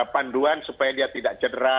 panduan supaya dia tidak cedera